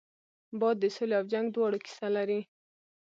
باد د سولې او جنګ دواړو کیسه لري